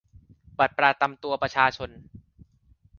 บัตรประจำตัวประชาชน